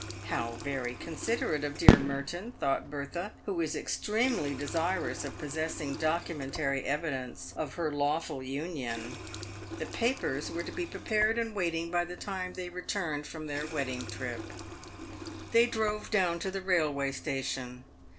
" How very considerate of dear Merton," thought Bertha, who was extremely desirous of possessing documentary evidence of her lawful union. The papers were to be prepared and waiting by the time they returned from their wedding trip. They drove down to the railway station.